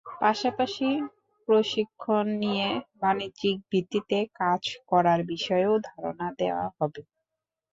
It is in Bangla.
পাশাপাশি প্রশিক্ষণ নিয়ে বাণিজ্যিক ভিত্তিতে কাজ করার বিষয়েও ধারণা দেওয়া হবে।